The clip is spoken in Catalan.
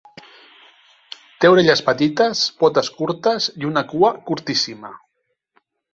Té orelles petites, potes curtes i una cua curtíssima.